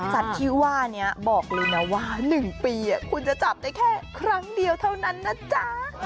สัตว์ที่ว่านี้บอกเลยนะว่า๑ปีคุณจะจับได้แค่ครั้งเดียวเท่านั้นนะจ๊ะ